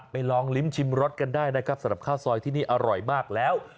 ลองลิ้มชิมรสกันได้นะครับสำหรับข้าวซอยที่นี่อร่อยมากแล้ว